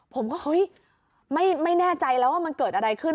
ผมก็เฮ้ยไม่แน่ใจแล้วว่ามันเกิดอะไรขึ้น